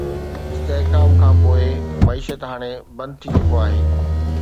استحڪام کان پوء، معيشت هاڻي بند ٿي چڪو آهي